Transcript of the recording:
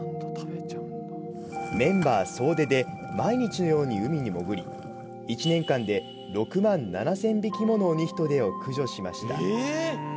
メンバー総出で毎日のように海に潜り１年間で６万７０００匹ものオニヒトデを駆除しました。